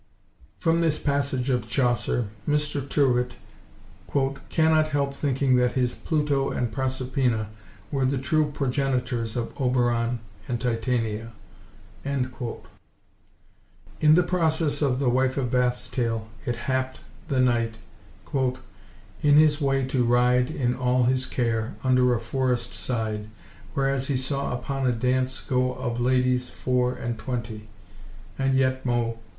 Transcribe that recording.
From this passage of Chaucer Mr. Tyrwhitt "cannot help thinking that his Pluto and Proserpina were the true progenitors of Oberon and Titania." In the progress of The Wif of Bathes Tale, it happed the knight, "——in his way ... to ride In all his care, under a forest side, Whereas he saw upon a dance go Of ladies foure–and–twenty, and yet mo.